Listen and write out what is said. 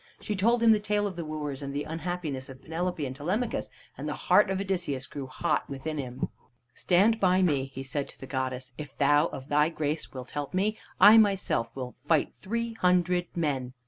She told him the tale of the wooers, and of the unhappiness of Penelope and Telemachus, and the heart of Odysseus grew hot within him. "Stand by me!" he said to the goddess. "If thou of thy grace wilt help me, I myself will fight three hundred men."